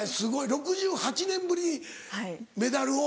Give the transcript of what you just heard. ６８年ぶりにメダルを。